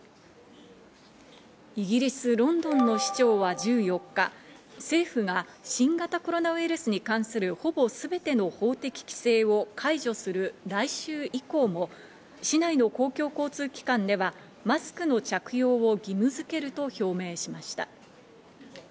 イギリス・ロンドンの市長は１４日、政府が新型コロナウイルスに関するほぼすべての法的規制を解除する来週以降も市内の公共交通機関ではマスクの着用を義務づけると表明しました。